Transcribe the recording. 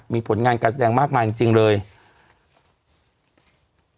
มีผลงานการแสดงมากมายจริงจริงเลย